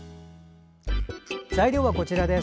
材料はこちらです。